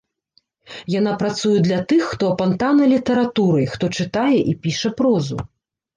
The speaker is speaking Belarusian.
Яна працуе для тых, хто апантаны літаратурай, хто чытае і піша прозу.